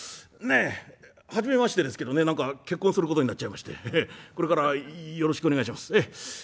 ねえ初めましてですけどね何か結婚することになっちゃいましてこれからよろしくお願いします。